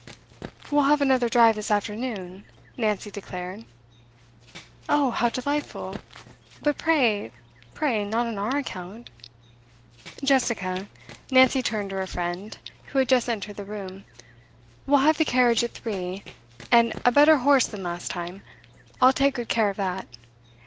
'We'll have another drive this afternoon,' Nancy declared. 'Oh, how delightful! But pray, pray, not on our account ' 'Jessica,' Nancy turned to her friend, who had just entered the room, 'we'll have the carriage at three. And a better horse than last time; I'll take good care of that.